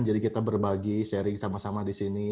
jadi kita berbagi sharing sama sama disini